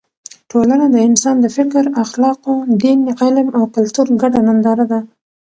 ټولنه د انسان د فکر، اخلاقو، دین، علم او کلتور ګډه ننداره ده.